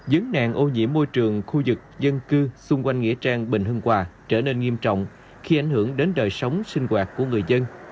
vấn nạn ô nhiễm môi trường khu vực dân cư xung quanh nghĩa trang bình hưng hòa trở nên nghiêm trọng khi ảnh hưởng đến đời sống sinh hoạt của người dân